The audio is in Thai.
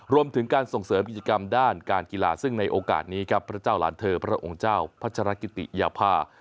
รวมถึงการส่งเสริมกิจกรรมด้านการกีฬาซึ่งในโอกาสนี้ครับพระเจ้าหลานเธอพระองค์เจ้าพัชรกิติยภา